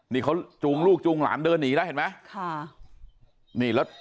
นี่เขาจูงลูกจูงหลานเดินหนีแล้วเห็นไหม